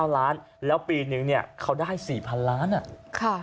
๙ล้านแล้วปีนึงเนี่ยเขาได้๔๐๐๐๐๐๐บาทนะ